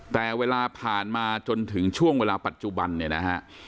แต่เวลาผ่านมาจนถึงช่วงเวลาปัจจุบันเนี่ยนะฮะ